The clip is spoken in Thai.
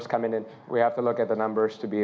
สามารถวิเคโลกกลุ่มต่อด้วย